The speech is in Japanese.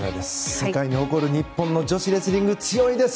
世界が誇る日本の女子レスリング強いです。